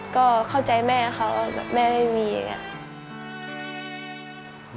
ก็เข้าใจแม่เขาว่าแบบแม่ไม่มีอย่างนี้